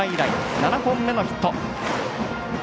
７本目のヒット。